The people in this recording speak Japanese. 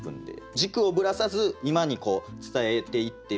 軸をぶらさず今にこう伝えていってる。